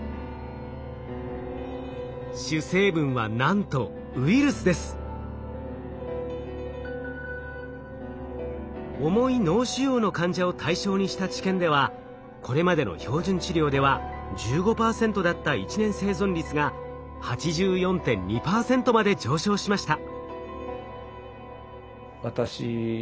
主成分はなんと重い脳腫瘍の患者を対象にした治験ではこれまでの標準治療では１５％だった１年生存率が８４．２％まで上昇しました。